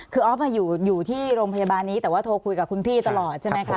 คือออฟอยู่ที่โรงพยาบาลนี้แต่ว่าโทรคุยกับคุณพี่ตลอดใช่ไหมคะ